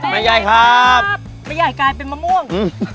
แม่ใหญ่ครับแม่ใหญ่กลายเป็นมะม่วง